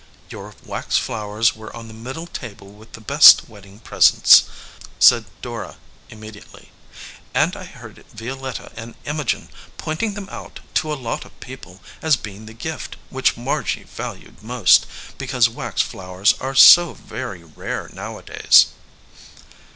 "Your wax flowers were on the middle table with the best wedding presents," said Dora, im mediately, "and I heard Violetta and Imogen point ing them out to a lot of people as being the gift 99 EDGEWATER PEOPLE which Margy valued most, because wax flowers are so very rare nowadays."